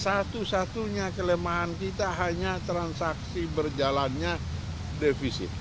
itu satunya kelemahan kita hanya transaksi berjalannya devisi